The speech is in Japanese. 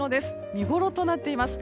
見ごろとなっています。